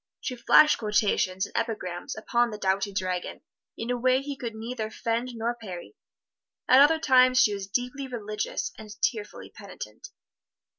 She flashed quotations and epigrams upon the doughty dragoon in a way he could neither fend nor parry. At other times she was deeply religious and tearfully penitent.